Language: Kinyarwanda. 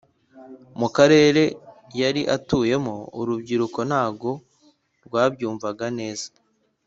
mu karere yari atuyemo urubyiruko ntago rwabyumvaga neza